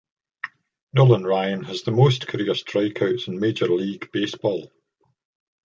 Nolan Ryan has the most career strikeouts in Major League Baseball.